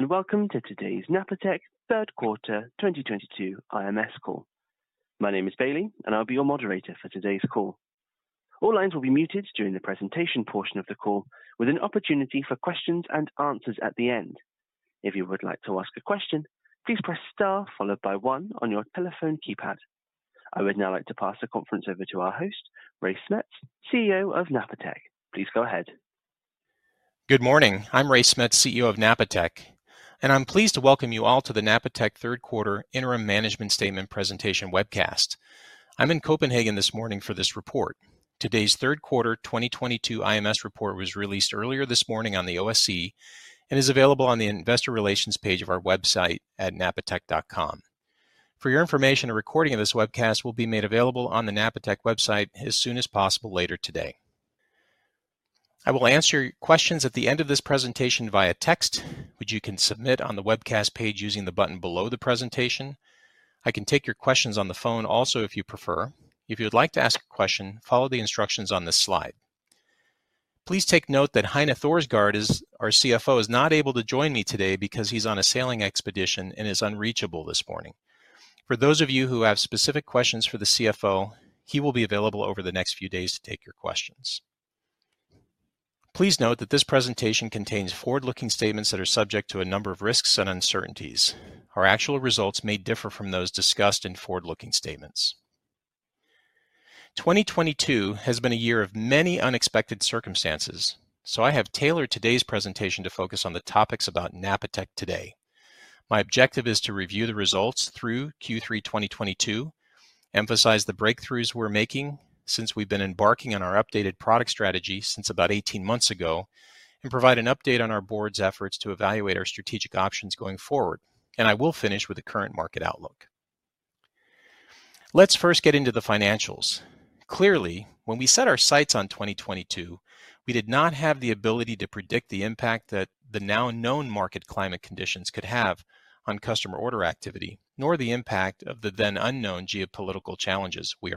Welcome to today's Napatech Third Quarter 2022 IMS Call. My name is Bailey, and I'll be your moderator for today's call. All lines will be muted during the presentation portion of the call, with an opportunity for questions and answers at the end. If you would like to ask a question, please press star followed by one on your telephone keypad. I would now like to pass the conference over to our host, Ray Smets, CEO of Napatech. Please go ahead. Good morning. I'm Ray Smets, CEO of Napatech. I'm pleased to welcome you all to the Napatech Third Quarter Interim Management Statement Presentation Webcast. I'm in Copenhagen this morning for this report. Today's third quarter 2022 IMS report was released earlier this morning on the OSE and is available on the Investor Relations page of our website at napatech.com. For your information, a recording of this webcast will be made available on the Napatech website as soon as possible later today. I will answer your questions at the end of this presentation via text, which you can submit on the webcast page using the button below the presentation. I can take your questions on the phone also, if you prefer. If you would like to ask a question, follow the instructions on this slide. Please take note that Heine Thorsgaard ,our CFO, is not able to join me today because he's on a sailing expedition and is unreachable this morning. For those of you who have specific questions for the CFO, he will be available over the next few days to take your questions. Please note that this presentation contains forward-looking statements that are subject to a number of risks and uncertainties. Our actual results may differ from those discussed in forward-looking statements. 2022 has been a year of many unexpected circumstances, so I have tailored today's presentation to focus on the topics about Napatech today. My objective is to review the results through Q3 2022, emphasize the breakthroughs we're making since we've been embarking on our updated product strategy since about 18 months ago, and provide an update on our board's efforts to evaluate our strategic options going forward. I will finish with the current market outlook. Let's first get into the financials. Clearly, when we set our sights on 2022, we did not have the ability to predict the impact that the now known market climate conditions could have on customer order activity, nor the impact of the then unknown geopolitical challenges we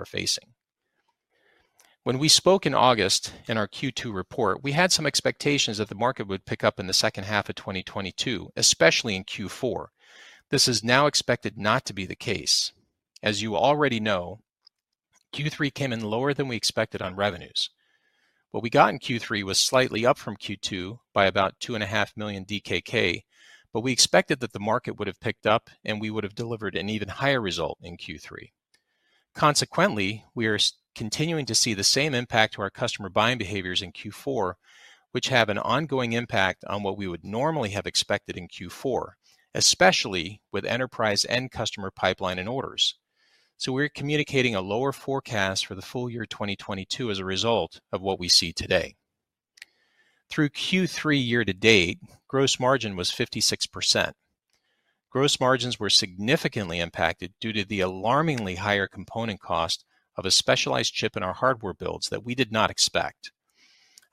are facing. When we spoke in August in our Q2 report, we had some expectations that the market would pick up in the second half of 2022, especially in Q4. This is now expected not to be the case. As you already know, Q3 came in lower than we expected on revenues. What we got in Q3 was slightly up from Q2 by about 2.5 million DKK, but we expected that the market would have picked up, and we would have delivered an even higher result in Q3. Consequently, we are continuing to see the same impact to our customer buying behaviors in Q4, which have an ongoing impact on what we would normally have expected in Q4, especially with enterprise end customer pipeline and orders. We're communicating a lower forecast for the full-year 2022 as a result of what we see today. Through Q3 year to date, gross margin was 56%. Gross margins were significantly impacted due to the alarmingly higher component cost of a specialized chip in our hardware builds that we did not expect.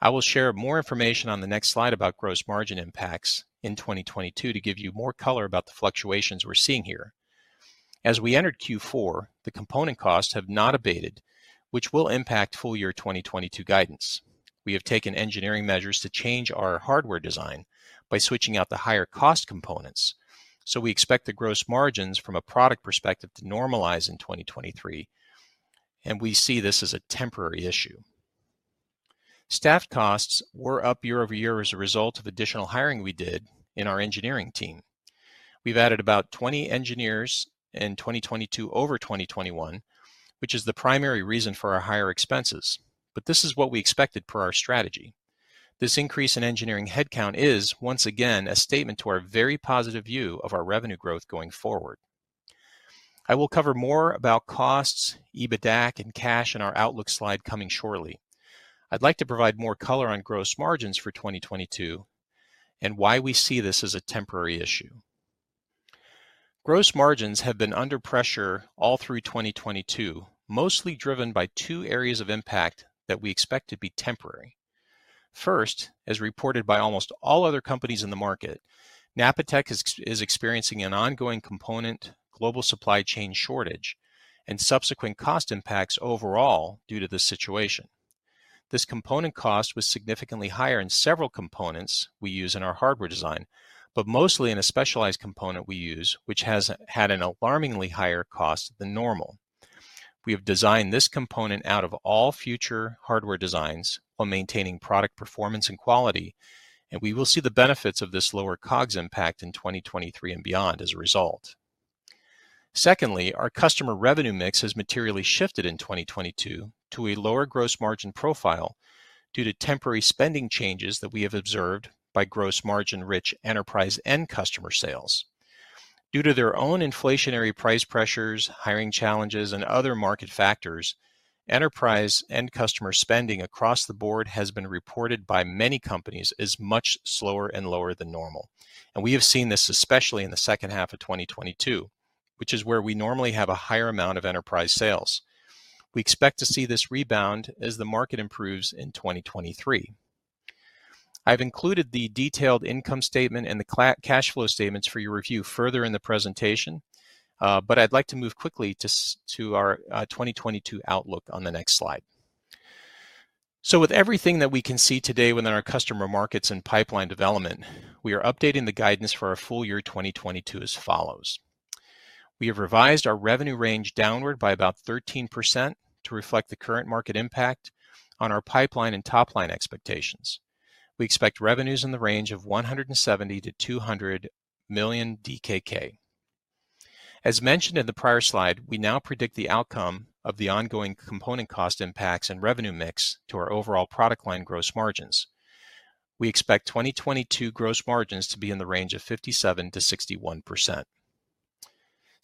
I will share more information on the next slide about gross margin impacts in 2022 to give you more color about the fluctuations we're seeing here. As we entered Q4, the component costs have not abated, which will impact full year 2022 guidance. We have taken engineering measures to change our hardware design by switching out the higher cost components. We expect the gross margins from a product perspective to normalize in 2023. We see this as a temporary issue. Staff costs were up year-over-year as a result of additional hiring we did in our engineering team. We've added about 20 engineers in 2022 over 2021, which is the primary reason for our higher expenses. This is what we expected per our strategy. This increase in engineering headcount is, once again, a statement to our very positive view of our revenue growth going forward. I will cover more about costs, EBITDA and cash in our outlook slide coming shortly. I'd like to provide more color on gross margins for 2022 and why we see this as a temporary issue. Gross margins have been under pressure all through 2022, mostly driven by two areas of impact that we expect to be temporary. First, as reported by almost all other companies in the market, Napatech is experiencing an ongoing component global supply chain shortage and subsequent cost impacts overall due to this situation. This component cost was significantly higher in several components we use in our hardware design, but mostly in a specialized component we use which has had an alarmingly higher cost than normal. We have designed this component out of all future hardware designs while maintaining product performance and quality, and we will see the benefits of this lower COGS impact in 2023 and beyond as a result. Secondly, our customer revenue mix has materially shifted in 2022 to a lower gross margin profile due to temporary spending changes that we have observed by gross margin-rich enterprise end customer sales. Due to their own inflationary price pressures, hiring challenges, and other market factors, enterprise end customer spending across the board has been reported by many companies as much slower and lower than normal. We have seen this especially in the second half of 2022, which is where we normally have a higher amount of enterprise sales. We expect to see this rebound as the market improves in 2023. I've included the detailed income statement and the cash flow statements for your review further in the presentation, but I'd like to move quickly to our 2022 outlook on the next slide. With everything that we can see today within our customer markets and pipeline development, we are updating the guidance for our full year 2022 as follows. We have revised our revenue range downward by about 13% to reflect the current market impact on our pipeline and top-line expectations. We expect revenues in the range of 170 million-200 million DKK. As mentioned in the prior slide, we now predict the outcome of the ongoing component cost impacts and revenue mix to our overall product line gross margins. We expect 2022 gross margins to be in the range of 57%-61%.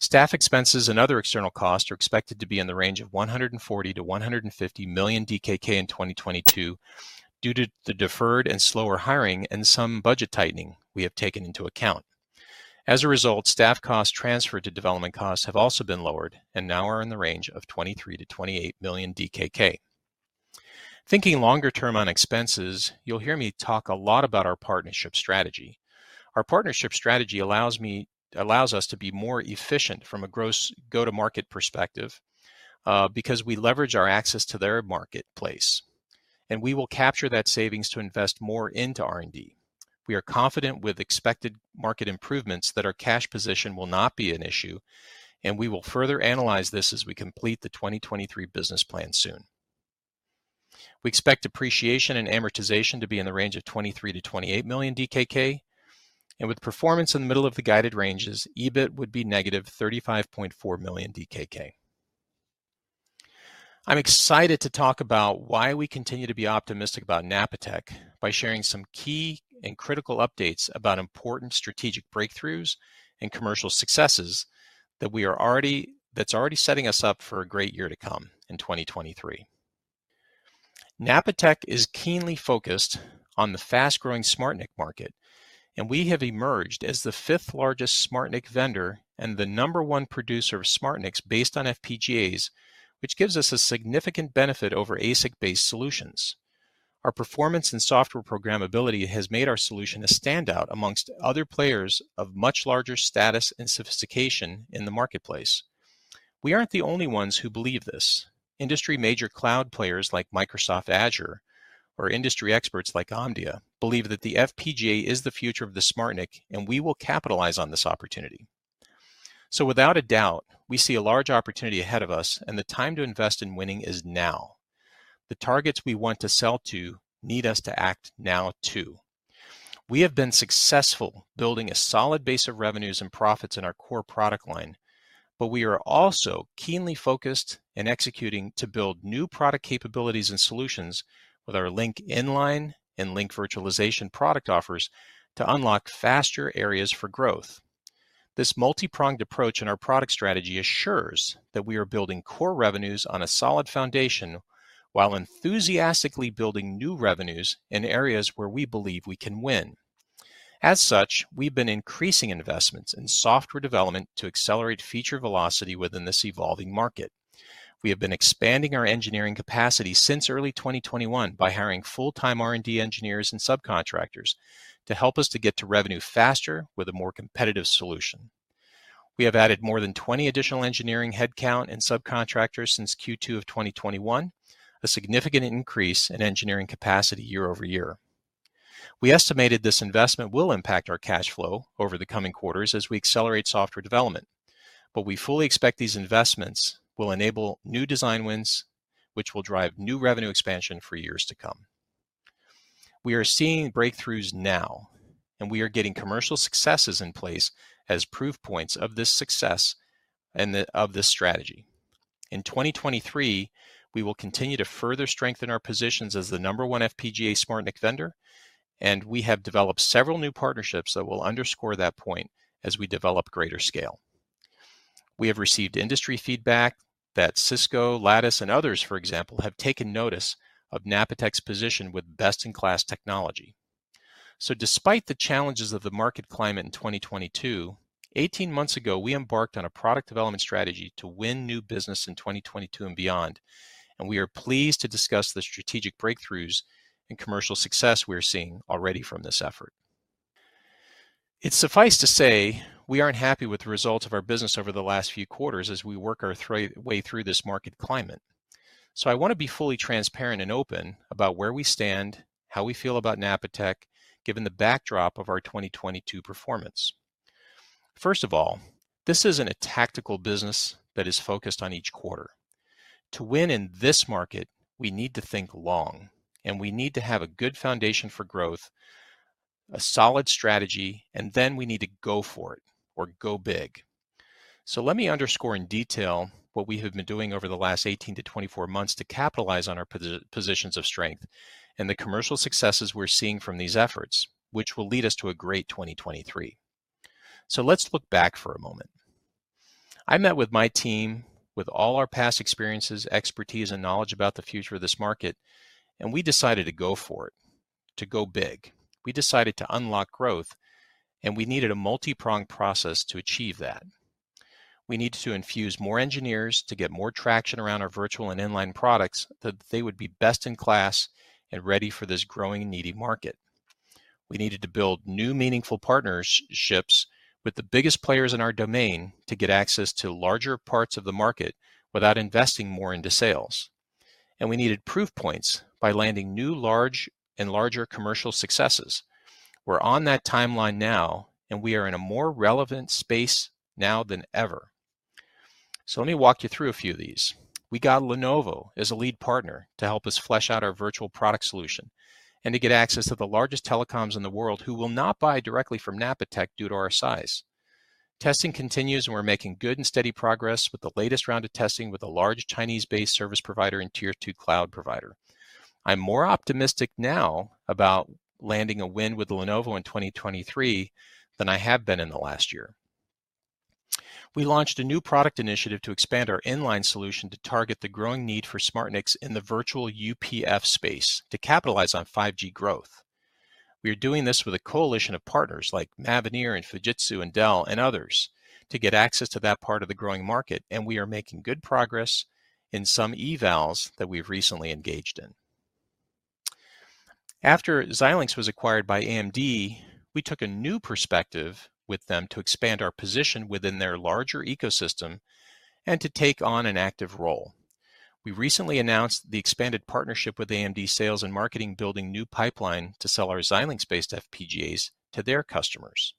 Staff expenses and other external costs are expected to be in the range of 140 million-150 million DKK in 2022 due to the deferred and slower hiring and some budget tightening we have taken into account. As a result, staff costs transferred to development costs have also been lowered and now are in the range of 23 million-28 million DKK. Thinking longer term on expenses, you'll hear me talk a lot about our partnership strategy. Our partnership strategy allows us to be more efficient from a gross go-to-market perspective because we leverage our access to their marketplace, and we will capture that savings to invest more into R&D. We are confident with expected market improvements that our cash position will not be an issue, and we will further analyze this as we complete the 2023 business plan soon. We expect depreciation and amortization to be in the range of 23 million-28 million DKK, and with performance in the middle of the guided ranges, EBIT would be negative 35.4 million DKK. I'm excited to talk about why we continue to be optimistic about Napatech by sharing some key and critical updates about important strategic breakthroughs and commercial successes that's already setting us up for a great year to come in 2023. Napatech is keenly focused on the fast-growing SmartNIC market, and we have emerged as the fifth-largest SmartNIC vendor and the number one producer of SmartNICs based on FPGAs, which gives us a significant benefit over ASIC-based solutions. Our performance and software programmability has made our solution a standout amongst other players of much larger status and sophistication in the marketplace. We aren't the only ones who believe this. Industry major cloud players like Microsoft Azure or industry experts like Omdia believe that the FPGA is the future of the SmartNIC, and we will capitalize on this opportunity. Without a doubt, we see a large opportunity ahead of us, and the time to invest in winning is now. The targets we want to sell to need us to act now too. We have been successful building a solid base of revenues and profits in our core product line, but we are also keenly focused and executing to build new product capabilities and solutions with our Link-Inline and Link-Virtualization product offers to unlock faster areas for growth. This multi-pronged approach in our product strategy assures that we are building core revenues on a solid foundation while enthusiastically building new revenues in areas where we believe we can win. As such, we've been increasing investments in software development to accelerate feature velocity within this evolving market. We have been expanding our engineering capacity since early 2021 by hiring full-time R&D engineers and subcontractors to help us to get to revenue faster with a more competitive solution. We have added more than 20 additional engineering headcount and subcontractors since Q2 of 2021, a significant increase in engineering capacity year-over-year. We estimated this investment will impact our cash flow over the coming quarters as we accelerate software development, but we fully expect these investments will enable new design wins, which will drive new revenue expansion for years to come. We are seeing breakthroughs now. We are getting commercial successes in place as proof points of this success, of this strategy. In 2023, we will continue to further strengthen our positions as the number one FPGA SmartNIC vendor. We have developed several new partnerships that will underscore that point as we develop greater scale. We have received industry feedback that Cisco, Lattice, and others, for example, have taken notice of Napatech's position with best-in-class technology. Despite the challenges of the market climate in 2022, 18 months ago, we embarked on a product development strategy to win new business in 2022 and beyond, and we are pleased to discuss the strategic breakthroughs and commercial success we are seeing already from this effort. It's suffice to say we aren't happy with the results of our business over the last few quarters as we work our way through this market climate. I want to be fully transparent and open about where we stand, how we feel about Napatech, given the backdrop of our 2022 performance. First of all, this isn't a tactical business that is focused on each quarter. To win in this market, we need to think long, we need to have a good foundation for growth, a solid strategy, we need to go for it or go big. Let me underscore in detail what we have been doing over the last 18 to 24 months to capitalize on our positions of strength and the commercial successes we're seeing from these efforts, which will lead us to a great 2023. Let's look back for a moment. I met with my team with all our past experiences, expertise, and knowledge about the future of this market, and we decided to go for it, to go big. We decided to unlock growth, and we needed a multi-pronged process to achieve that. We needed to infuse more engineers to get more traction around our virtual and inline products, that they would be best in class and ready for this growing and needy market. We needed to build new meaningful partnerships with the biggest players in our domain to get access to larger parts of the market without investing more into sales. We needed proof points by landing new, large and larger commercial successes. We're on that timeline now, and we are in a more relevant space now than ever. Let me walk you through a few of these. We got Lenovo as a lead partner to help us flesh out our virtual product solution and to get access to the largest telecoms in the world who will not buy directly from Napatech due to our size. Testing continues. We're making good and steady progress with the latest round of testing with a large Chinese-based service provider and Tier 2 cloud provider. I'm more optimistic now about landing a win with Lenovo in 2023 than I have been in the last year. We launched a new product initiative to expand our inline solution to target the growing need for SmartNICs in the virtual UPF space to capitalize on 5G growth. We are doing this with a coalition of partners like Mavenir and Fujitsu and Dell and others to get access to that part of the growing market, and we are making good progress in some evals that we've recently engaged in. After Xilinx was acquired by AMD, we took a new perspective with them to expand our position within their larger ecosystem and to take on an active role. We recently announced the expanded partnership with AMD sales and marketing, building new pipeline to sell our Xilinx-based FPGAs to their customers.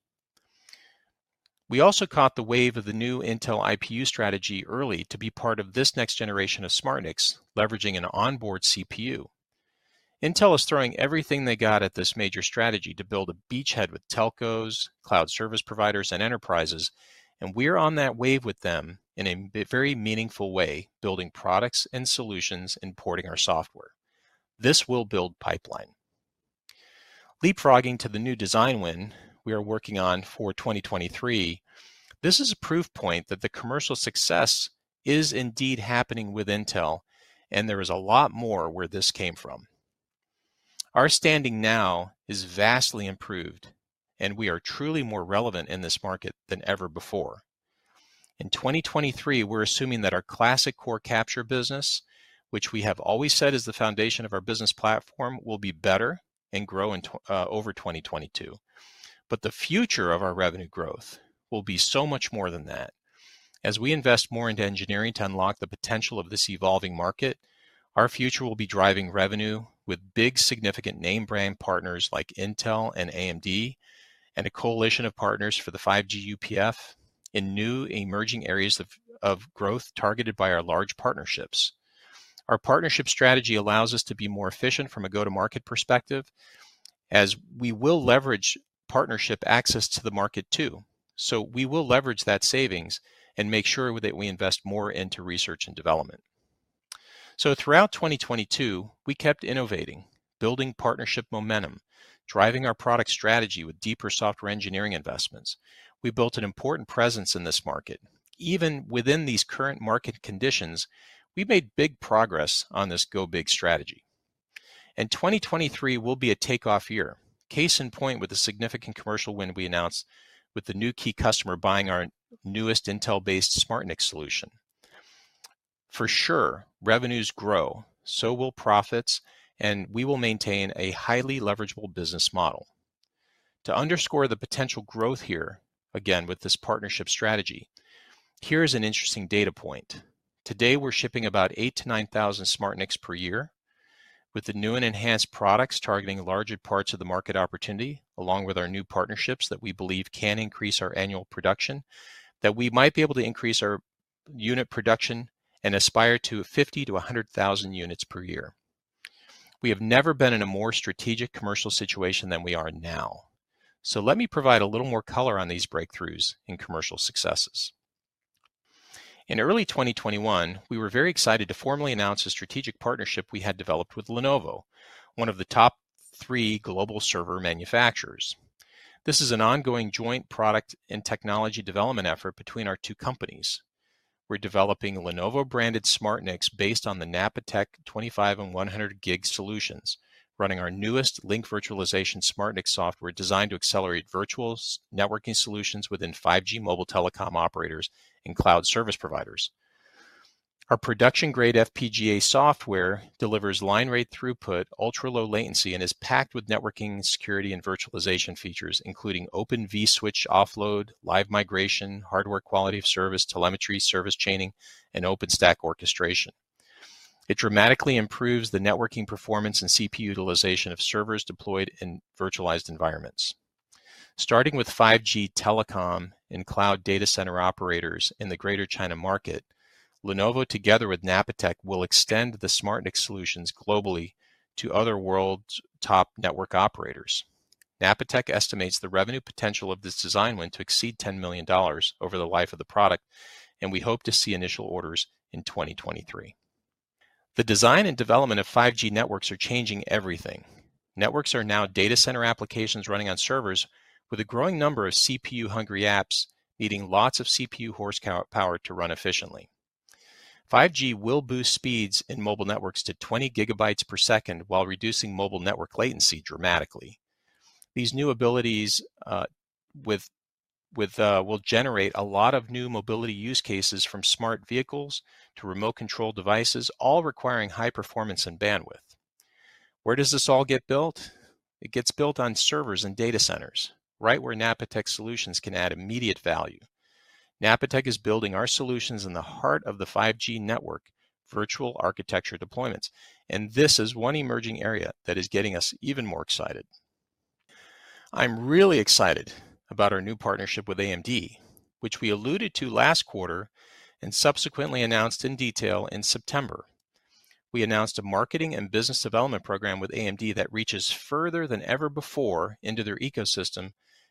We also caught the wave of the new Intel IPU strategy early to be part of this next generation of SmartNICs, leveraging an onboard CPU. Intel is throwing everything they got at this major strategy to build a beachhead with telcos, cloud service providers, and enterprises, we're on that wave with them in a very meaningful way, building products and solutions and porting our software. This will build pipeline. Leapfrogging to the new design win we are working on for 2023, this is a proof point that the commercial success is indeed happening with Intel, there is a lot more where this came from. Our standing now is vastly improved, we are truly more relevant in this market than ever before. In 2023, we're assuming that our classic core capture business, which we have always said is the foundation of our business platform, will be better and grow over 2022. The future of our revenue growth will be so much more than that. As we invest more into engineering to unlock the potential of this evolving market, our future will be driving revenue with big, significant name brand partners like Intel and AMD and a coalition of partners for the 5G UPF in new emerging areas of growth targeted by our large partnerships. Our partnership strategy allows us to be more efficient from a go-to-market perspective as we will leverage partnership access to the market too. We will leverage that savings and make sure that we invest more into research and development. Throughout 2022, we kept innovating, building partnership momentum, driving our product strategy with deeper software engineering investments. We built an important presence in this market. Even within these current market conditions, we made big progress on this go big strategy. 2023 will be a takeoff year. Case in point, with a significant commercial win we announced with the new key customer buying our newest Intel-based SmartNIC solution. For sure, revenues grow, so will profits. We will maintain a highly leverageable business model. To underscore the potential growth here, again with this partnership strategy, here is an interesting data point. Today, we're shipping about 8,000-9,000 SmartNICs per year. With the new and enhanced products targeting larger parts of the market opportunity, along with our new partnerships that we believe can increase our annual production, that we might be able to increase our unit production and aspire to 50,000-100,000 units per year. We have never been in a more strategic commercial situation than we are now. Let me provide a little more color on these breakthroughs in commercial successes. In early 2021, we were very excited to formally announce a strategic partnership we had developed with Lenovo, one of the top three global server manufacturers. This is an ongoing joint product and technology development effort between our two companies. We're developing Lenovo-branded SmartNICs based on the Napatech 25 and 100 gig solutions, running our newest Link-Virtualization SmartNIC software designed to accelerate virtual networking solutions within 5G mobile telecom operators and cloud service providers. Our production-grade FPGA software delivers line rate throughput, ultra-low latency, and is packed with networking, security, and virtualization features, including Open vSwitch offload, live migration, hardware quality of service, telemetry, service chaining, and OpenStack orchestration. It dramatically improves the networking performance and CPU utilization of servers deployed in virtualized environments. Starting with 5G telecom and cloud data center operators in the Greater China market, Lenovo, together with Napatech, will extend the SmartNIC solutions globally to other world's top network operators. Napatech estimates the revenue potential of this design win to exceed $10 million over the life of the product, and we hope to see initial orders in 2023. The design and development of 5G networks are changing everything. Networks are now data center applications running on servers with a growing number of CPU-hungry apps needing lots of CPU horsepower to run efficiently. 5G will boost speeds in mobile networks to 20 Gbps while reducing mobile network latency dramatically. These new abilities, with will generate a lot of new mobility use cases from smart vehicles to remote control devices, all requiring high performance and bandwidth. Where does this all get built? It gets built on servers and data centers, right where Napatech solutions can add immediate value. Napatech is building our solutions in the heart of the 5G network virtual architecture deployments, and this is one emerging area that is getting us even more excited. I'm really excited about our new partnership with AMD, which we alluded to last quarter and subsequently announced in detail in September. We announced a marketing and business development program with AMD that reaches further than ever before into their ecosystem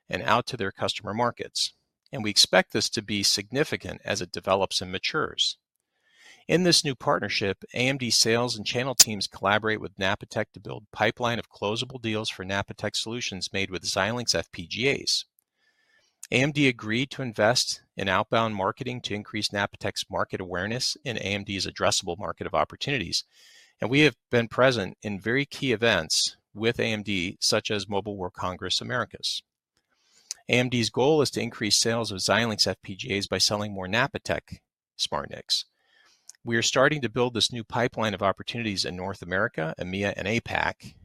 and out to their customer markets. We expect this to be significant as it develops and matures. In this new partnership, AMD sales and channel teams collaborate with Napatech to build pipeline of closable deals for Napatech solutions made with Xilinx FPGAs. AMD agreed to invest in outbound marketing to increase Napatech's market awareness in AMD's addressable market of opportunities. We have been present in very key events with AMD, such as Mobile World Congress Americas. AMD's goal is to increase sales of Xilinx FPGAs by selling more Napatech SmartNICs. We are starting to build this new pipeline of opportunities in North America, EMEA, and APAC.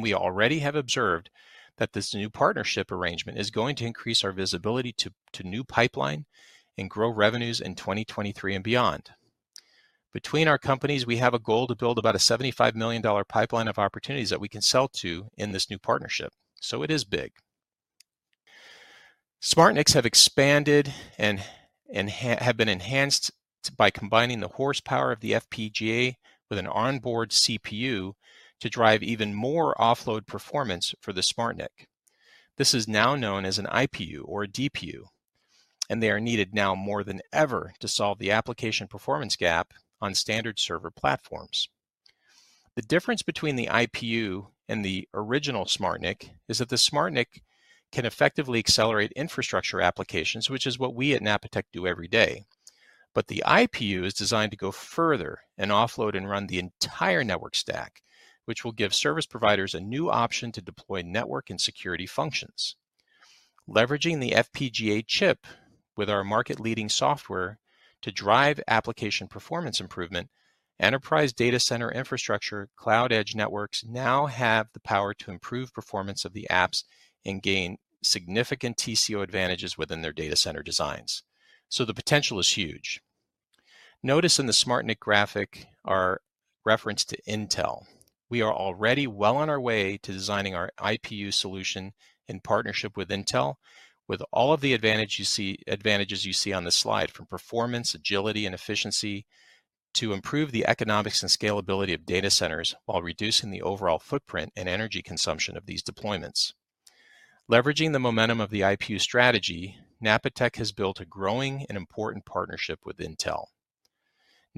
We already have observed that this new partnership arrangement is going to increase our visibility to new pipeline and grow revenues in 2023 and beyond. Between our companies, we have a goal to build about a $75 million pipeline of opportunities that we can sell to in this new partnership. It is big. SmartNICs have expanded and have been enhanced by combining the horsepower of the FPGA with an onboard CPU to drive even more offload performance for the SmartNIC. This is now known as an IPU or a DPU, and they are needed now more than ever to solve the application performance gap on standard server platforms. The difference between the IPU and the original SmartNIC is that the SmartNIC can effectively accelerate infrastructure applications, which is what we at Napatech do every day. The IPU is designed to go further and offload and run the entire network stack, which will give service providers a new option to deploy network and security functions. Leveraging the FPGA chip with our market-leading software to drive application performance improvement, enterprise data center infrastructure cloud edge networks now have the power to improve performance of the apps and gain significant TCO advantages within their data center designs. The potential is huge. Notice in the SmartNIC graphic our reference to Intel. We are already well on our way to designing our IPU solution in partnership with Intel, with all of the advantages you see on this slide from performance, agility, and efficiency to improve the economics and scalability of data centers while reducing the overall footprint and energy consumption of these deployments. Leveraging the momentum of the IPU strategy, Napatech has built a growing and important partnership with Intel.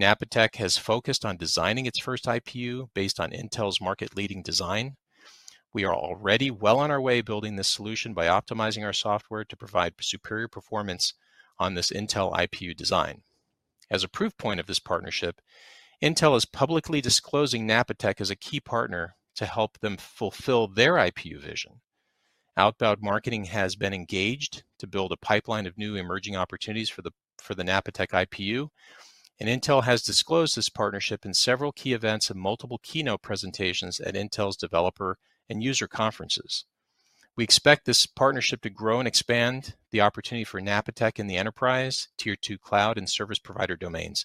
Napatech has focused on designing its first IPU based on Intel's market-leading design. We are already well on our way building this solution by optimizing our software to provide superior performance on this Intel IPU design. As a proof point of this partnership, Intel is publicly disclosing Napatech as a key partner to help them fulfill their IPU vision. Outbound marketing has been engaged to build a pipeline of new emerging opportunities for the Napatech IPU. Intel has disclosed this partnership in several key events and multiple keynote presentations at Intel's developer and user conferences. We expect this partnership to grow and expand the opportunity for Napatech in the enterprise, Tier 2 cloud, and service provider domains.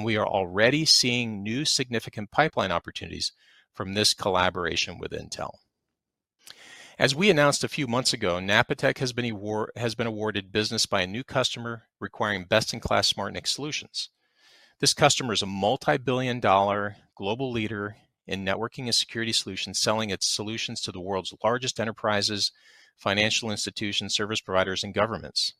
We are already seeing new significant pipeline opportunities from this collaboration with Intel. As we announced a few months ago, Napatech has been awarded business by a new customer requiring best-in-class SmartNIC solutions. This customer is a multi-billion dollar global leader in networking and security solutions, selling its solutions to the world's largest enterprises, financial institutions, service providers, and governments.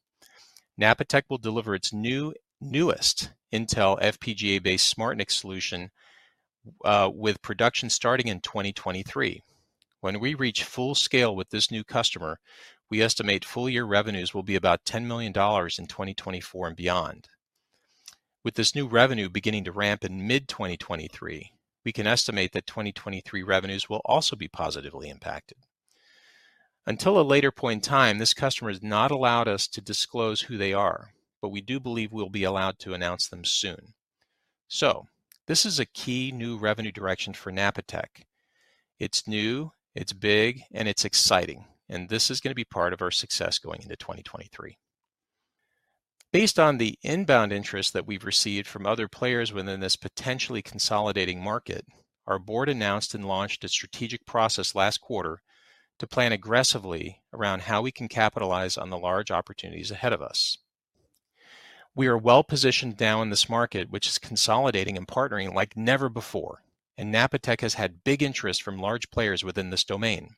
Napatech will deliver its newest Intel FPGA-based SmartNIC solution with production starting in 2023. When we reach full scale with this new customer, we estimate full year revenues will be about $10 million in 2024 and beyond. With this new revenue beginning to ramp in mid 2023, we can estimate that 2023 revenues will also be positively impacted. Until a later point in time, this customer has not allowed us to disclose who they are, but we do believe we'll be allowed to announce them soon. This is a key new revenue direction for Napatech. It's new, it's big, and it's exciting, and this is gonna be part of our success going into 2023. Based on the inbound interest that we've received from other players within this potentially consolidating market, our board announced and launched a strategic process last quarter to plan aggressively around how we can capitalize on the large opportunities ahead of us. We are well-positioned now in this market, which is consolidating and partnering like never before, and Napatech has had big interest from large players within this domain.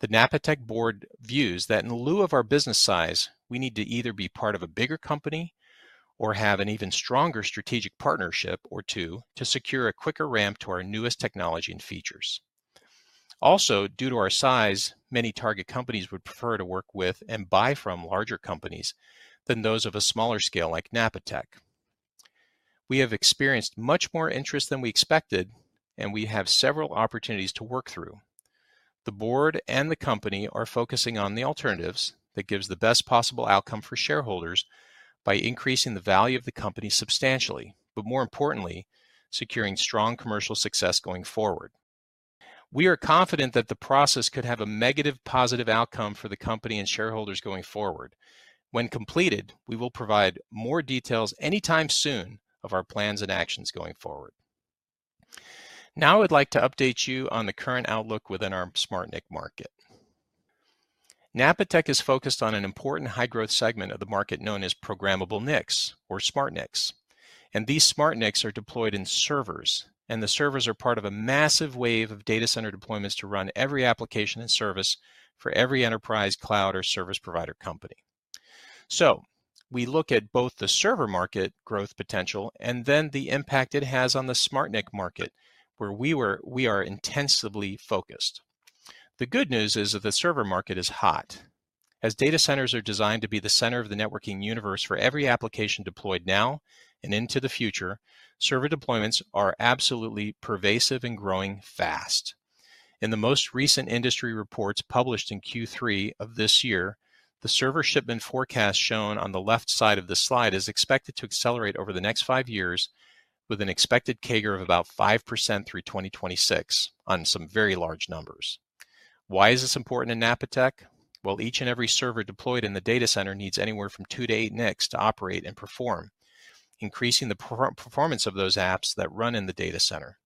The Napatech board views that in lieu of our business size, we need to either be part of a bigger company or have an even stronger strategic partnership or two to secure a quicker ramp to our newest technology and features. Also, due to our size, many target companies would prefer to work with and buy from larger companies than those of a smaller scale like Napatech. We have experienced much more interest than we expected, and we have several opportunities to work through. The board and the company are focusing on the alternatives that gives the best possible outcome for shareholders by increasing the value of the company substantially, but more importantly, securing strong commercial success going forward. We are confident that the process could have a positive outcome for the company and shareholders going forward. When completed, we will provide more details anytime soon of our plans and actions going forward. I'd like to update you on the current outlook within our SmartNIC market. Napatech is focused on an important high-growth segment of the market known as programmable NICs or SmartNICs. These SmartNICs are deployed in servers. The servers are part of a massive wave of data center deployments to run every application and service for every enterprise cloud or service provider company. We look at both the server market growth potential and then the impact it has on the SmartNIC market where we are intensively focused. The good news is that the server market is hot. As data centers are designed to be the center of the networking universe for every application deployed now and into the future, server deployments are absolutely pervasive and growing fast. In the most recent industry reports published in Q3 of this year, the server shipment forecast shown on the left side of the slide is expected to accelerate over the next five years with an expected CAGR of about 5% through 2026 on some very large numbers. Why is this important in Napatech? Well, each and every server deployed in the data center needs anywhere from 2-8 NICs to operate and perform, increasing the performance of those apps that run in the data center.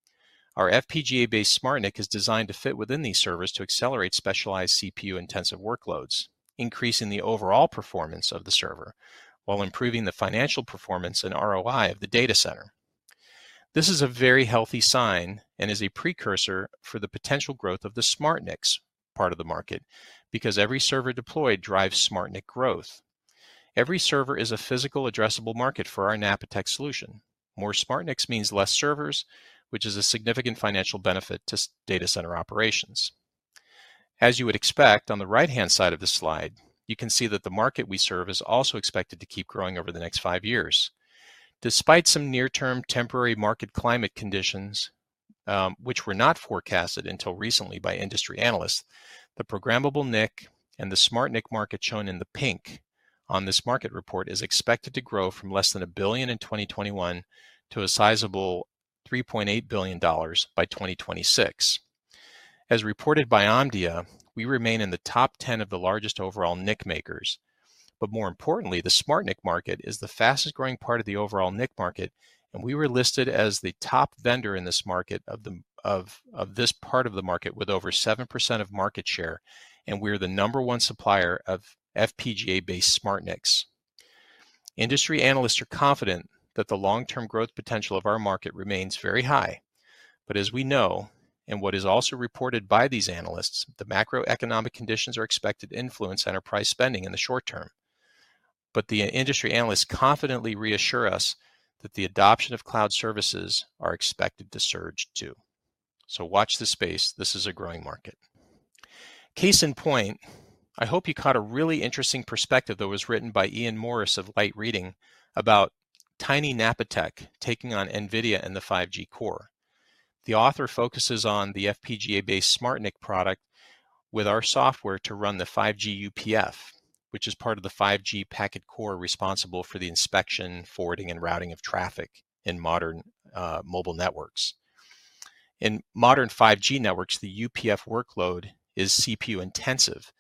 Our FPGA-based SmartNIC is designed to fit within these servers to accelerate specialized CPU-intensive workloads, increasing the overall performance of the server while improving the financial performance and ROI of the data center. This is a very healthy sign and is a precursor for the potential growth of the SmartNICs part of the market because every server deployed drives SmartNIC growth. Every server is a physical addressable market for our Napatech solution. More SmartNICs means less servers, which is a significant financial benefit to data center operations. As you would expect, on the right-hand side of the slide, you can see that the market we serve is also expected to keep growing over the next five years. Despite some near-term temporary market climate conditions, which were not forecasted until recently by industry analysts, the programmable NIC and the SmartNIC market shown in the pink on this market report is expected to grow from less than $1 billion in 2021 to a sizable $3.8 billion by 2026. As reported by Omdia, we remain in the top 10 of the largest overall NIC makers. More importantly, the SmartNIC market is the fastest growing part of the overall NIC market, and we were listed as the top vendor in this market of this part of the market with over 7% of market share, and we are the number one supplier of FPGA-based SmartNICs. Industry analysts are confident that the long-term growth potential of our market remains very high. As we know, and what is also reported by these analysts, the macroeconomic conditions are expected to influence enterprise spending in the short term. The industry analysts confidently reassure us that the adoption of cloud services are expected to surge too. Watch this space. This is a growing market. Case in point, I hope you caught a really interesting perspective that was written by Iain Morris of Light Reading about tiny Napatech taking on NVIDIA and the 5G core. The author focuses on the FPGA-based SmartNIC product with our software to run the 5G UPF, which is part of the 5G packet core responsible for the inspection, forwarding, and routing of traffic in modern mobile networks. In modern 5G networks, the UPF workload is CPU-intensive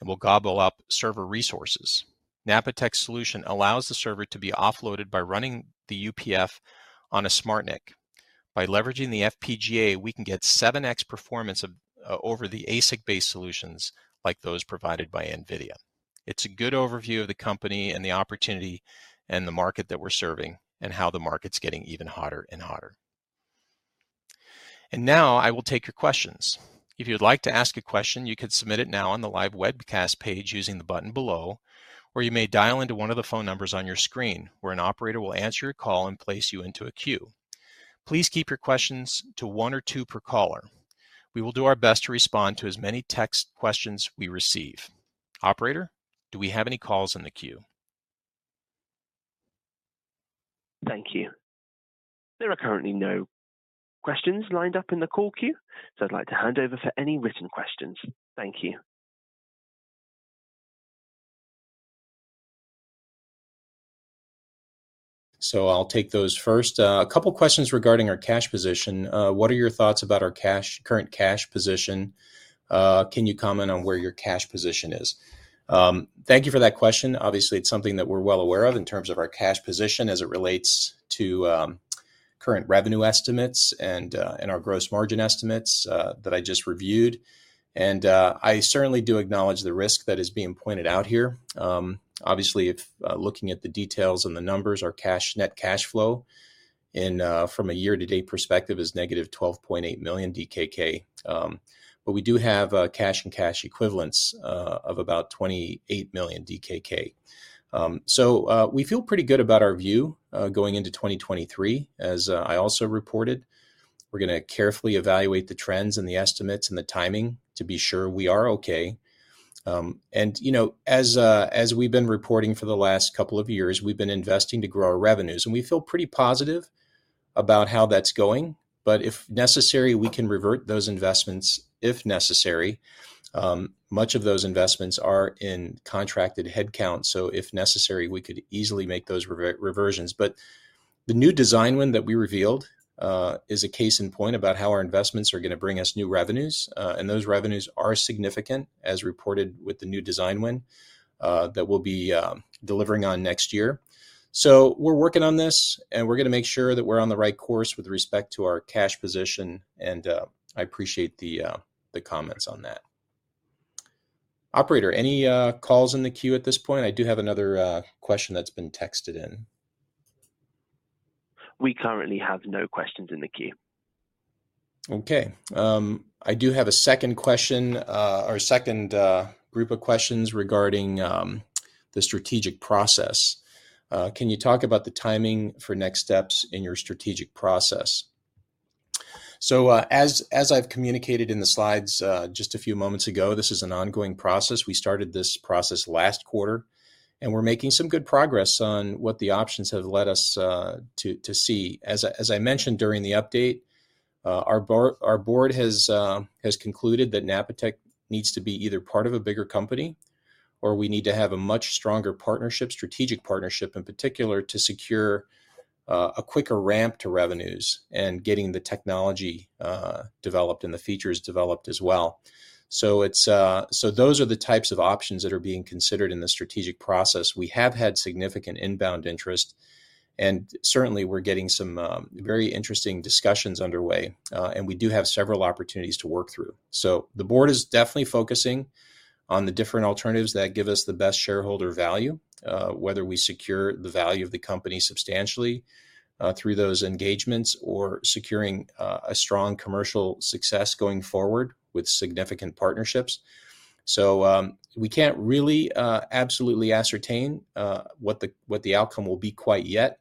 and will gobble up server resources. Napatech's solution allows the server to be offloaded by running the UPF on a SmartNIC. By leveraging the FPGA, we can get 7x performance over the ASIC-based solutions like those provided by NVIDIA. It's a good overview of the company and the opportunity and the market that we're serving and how the market's getting even hotter and hotter. Now I will take your questions. If you'd like to ask a question, you can submit it now on the live webcast page using the button below, or you may dial into one of the phone numbers on your screen where an operator will answer your call and place you into a queue. Please keep your questions to one or two per caller. We will do our best to respond to as many text questions we receive. Operator, do we have any calls in the queue? Thank you. There are currently no questions lined up in the call queue. I'd like to hand over for any written questions. Thank you. I'll take those first. A couple questions regarding our cash position. What are your thoughts about our current cash position? Can you comment on where your cash position is? Thank you for that question. Obviously, it's something that we're well aware of in terms of our cash position as it relates to current revenue estimates and our gross margin estimates that I just reviewed. I certainly do acknowledge the risk that is being pointed out here. Obviously, if looking at the details and the numbers, our net cash flow from a year-to-date perspective is negative 12.8 million DKK. We do have cash and cash equivalents of about 28 million DKK. We feel pretty good about our view going into 2023, as I also reported. We're gonna carefully evaluate the trends and the estimates and the timing to be sure we are okay. You know, as we've been reporting for the last couple of years, we've been investing to grow our revenues, and we feel pretty positive about how that's going. If necessary, we can revert those investments, if necessary. Much of those investments are in contracted headcount, if necessary, we could easily make those reversions. The new design win that we revealed is a case in point about how our investments are gonna bring us new revenues. Those revenues are significant, as reported with the new design win that we'll be delivering on next year. We're working on this, and we're gonna make sure that we're on the right course with respect to our cash position, and I appreciate the comments on that. Operator, any calls in the queue at this point? I do have another question that's been texted in. We currently have no questions in the queue. Okay. I do have a second question, or second group of questions regarding the strategic process. Can you talk about the timing for next steps in your strategic process? As I've communicated in the slides, just a few moments ago, this is an ongoing process. We started this process last quarter, and we're making some good progress on what the options have led us to see. As I mentioned during the update, our board has concluded that Napatech needs to be either part of a bigger company or we need to have a much stronger partnership, strategic partnership in particular, to secure a quicker ramp to revenues and getting the technology developed and the features developed as well. It's. Those are the types of options that are being considered in the strategic process. We have had significant inbound interest, and certainly we're getting some very interesting discussions underway, and we do have several opportunities to work through. The board is definitely focusing on the different alternatives that give us the best shareholder value, whether we secure the value of the company substantially through those engagements or securing a strong commercial success going forward with significant partnerships. We can't really absolutely ascertain what the, what the outcome will be quite yet,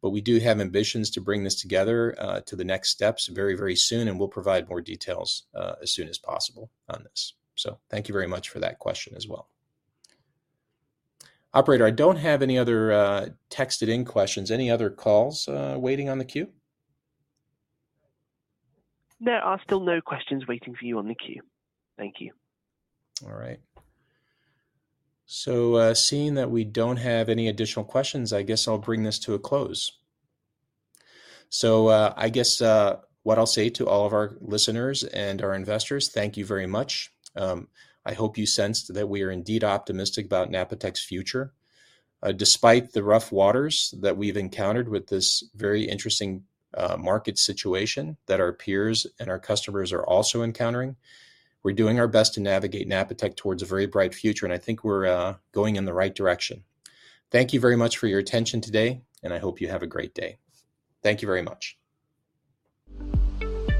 but we do have ambitions to bring this together to the next steps very, very soon, and we'll provide more details as soon as possible on this. Thank you very much for that question as well. Operator, I don't have any other, texted in questions. Any other calls, waiting on the queue? There are still no questions waiting for you on the queue. Thank you. All right. Seeing that we don't have any additional questions, I guess I'll bring this to a close. I guess, what I'll say to all of our listeners and our investors, thank you very much. I hope you sensed that we are indeed optimistic about Napatech's future. Despite the rough waters that we've encountered with this very interesting market situation that our peers and our customers are also encountering, we're doing our best to navigate Napatech towards a very bright future, and I think we're going in the right direction. Thank you very much for your attention today, and I hope you have a great day. Thank you very much.